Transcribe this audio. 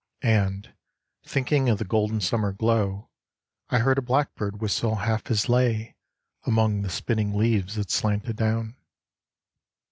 And, thinking of the golden summer glow, I heard a blackbird whistle half his lay Among the spinning leaves that slanted down.